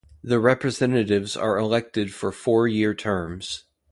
The representatives are elected for four-year terms.